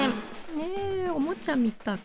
ねえおもちゃみたい。